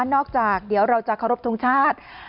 นอกจากเดี๋ยวเราจะขอรบทุ่งชาติ